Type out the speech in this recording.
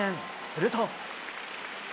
すると。